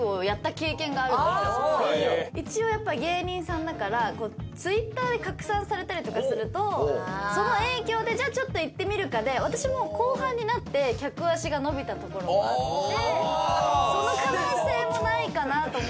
一応芸人さんだからＴｗｉｔｔｅｒで拡散されたりするとその影響でじゃあちょっと行ってみるかで私も後半になって客足が伸びたところもあってその可能性もないかなと。